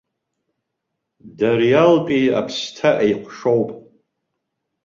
Дариалтәи аԥсҭа еиҟәшоуп.